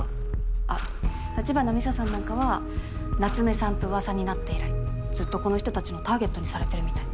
あっ橘美沙さんなんかは夏目さんと噂になって以来ずっとこの人たちのターゲットにされてるみたい。